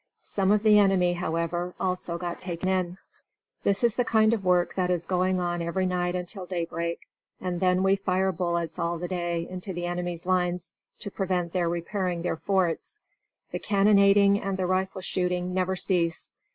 Some of the enemy, however, also got taken in. This is the kind of work that is going on every night until daybreak, and then we fire bullets all the day into the enemy's lines, to prevent their repairing their forts. The cannonading and the rifle shooting never cease.